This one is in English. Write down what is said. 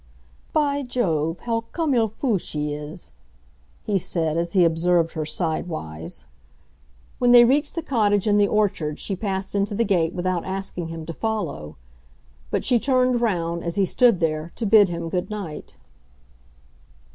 "By Jove, how comme il faut she is!" he said, as he observed her sidewise. When they reached the cottage in the orchard she passed into the gate without asking him to follow; but she turned round, as he stood there, to bid him good night.